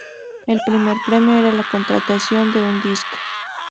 El primer premio era la contratación de un disco.